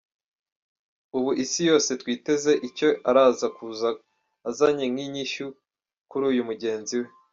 Ubu isi yose twiteze icyo araza kuza azanye nk’inyishyu kuri uyu mugenzi we.